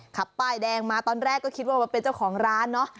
ป้ายแดงมาตอนแรกก็คิดว่าเป็นเจ้าของร้านเนอะ